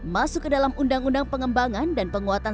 masuk ke dalam undang undang pengembangan dan penguatan